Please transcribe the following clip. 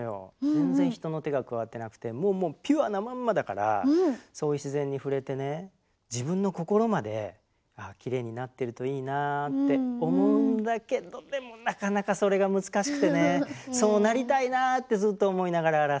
全然人の手が加わってなくてもうもうピュアなまんまだからそういう自然に触れてね自分の心まできれいになってるといいなぁって思うんだけどでもなかなかそれが難しくてねそうなりたいなってずっと思いながらアラスカで写真撮ってます。